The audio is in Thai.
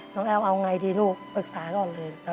แอลเอาไงดีลูกปรึกษาก่อนเลย